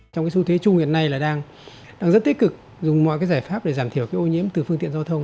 trong cái xu thế chung hiện nay là đang rất tích cực dùng mọi cái giải pháp để giảm thiểu cái ô nhiễm từ phương tiện giao thông